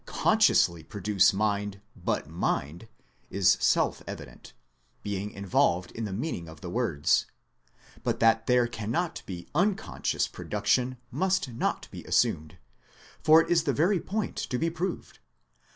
consciously produce Mind but Mind, is self evident, being involved in the meaning of the words; but that there cannot be unconscious production must not be assumed, for it is the very point to be proved.